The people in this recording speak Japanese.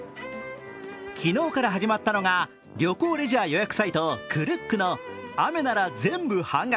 昨日から始まったのが旅行・レジャー予約サイトＫｌｏｏｋの雨なら全部半額！